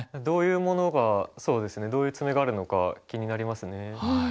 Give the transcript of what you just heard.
どういうものがそうですねどういう詰碁あるのか気になりますね。